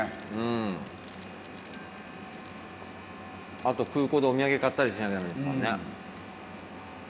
あと空港でお土産買ったりしなきゃダメですからね。